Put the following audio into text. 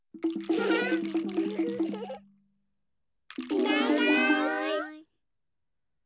いないいない。